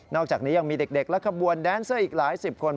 อกจากนี้ยังมีเด็กและขบวนแดนเซอร์อีกหลายสิบคน